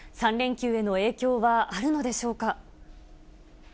３連休への影響はあるのでしょうか。